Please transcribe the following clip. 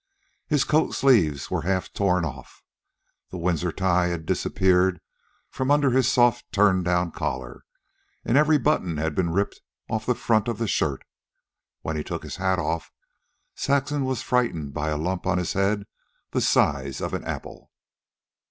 His coatsleeves were half torn off. The Windsor tie had disappeared from under his soft turned down collar, and every button had been ripped off the front of the shirt. When he took his hat off, Saxon was frightened by a lump on his head the size of an apple.